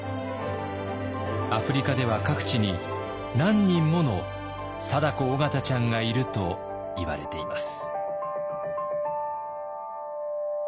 アフリカでは各地に何人ものサダコ・オガタちゃんがいるといわれています。